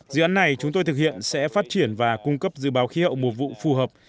dự án này chúng tôi thực hiện sẽ phát triển và cung cấp dự báo khí hậu mùa vụ phù hợp